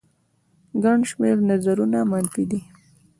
ګڼ شمېر نظرونه منفي دي